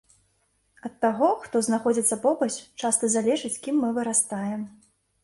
Ад таго, хто знаходзіцца побач, часта залежыць, кім мы вырастаем.